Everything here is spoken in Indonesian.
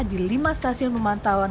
di lima stasiun pemantauan